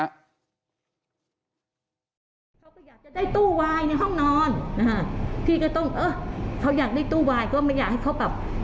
เขาก็อยากจะได้ตู้วายในห้องนอนนะฮะพี่ก็ต้องเออเขาอยากได้ตู้วายก็ไม่อยากให้เขาแบบ